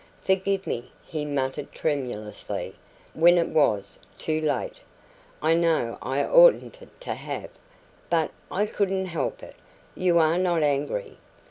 "Forgive me," he muttered tremulously, when it was too late. "I know I oughtn't to have but I couldn't help it! You are not angry?